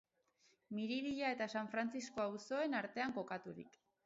Miribilla eta San Frantzisko auzoen artean kokaturik.